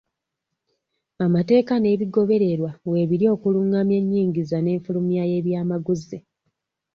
Amateeka n'ebigobererwa weebiri okulungamya ennyingiza n'enfulumya y'ebyamaguzi.